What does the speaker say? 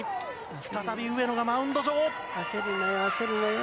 再び上野がマウンド上。